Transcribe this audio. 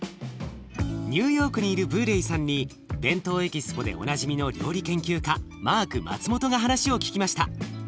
ニューヨークにいるブーレイさんに「ＢＥＮＴＯＥＸＰＯ」でおなじみの料理研究家マーク・マツモトが話を聞きました。